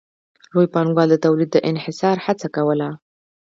لوی پانګوال د تولید د انحصار هڅه کوله